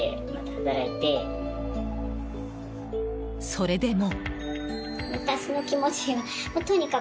それでも。